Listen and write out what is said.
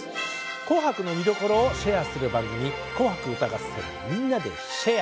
「紅白」の見どころをシェアする番組「紅白歌合戦＃みんなでシェア！」。